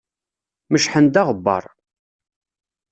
Mecḥen-d aɣebbar.